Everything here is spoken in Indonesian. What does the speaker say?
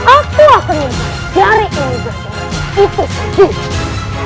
aku akan memperbaiki dari indah indah itu sendiri